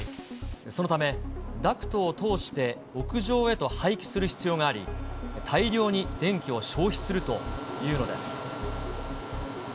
そのため、ダクトを通して屋上へと排気する必要があり、大量に電気を消費するというのです。